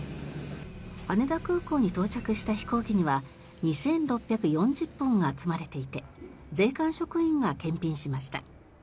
羽田空港に到着した飛行機には２６４０本が積まれていて税関職員が検品しました。